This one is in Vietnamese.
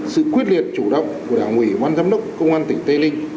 sự quyết liệt chủ động của đảng ủy ban giám đốc công an tỉnh tây ninh